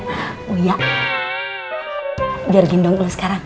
sensasi cracker seru kopi indonesia ngetrek